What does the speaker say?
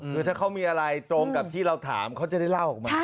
คือถ้าเขามีอะไรตรงกับที่เราถามเขาจะได้เล่าออกมา